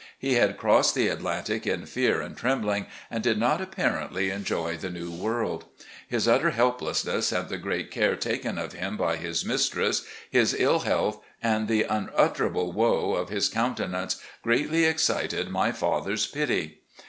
He had crossed the Atlantic in fear and trembling, and did not apparently enjoy the new world. His utter helplessness and the great care taken of him THE NEW HOME IN LEXINGTON 371 by his mistress, his ill health and the unutterable woe of his cotmtenance greatly excited my father's pity.